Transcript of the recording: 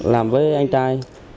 làm với anh trai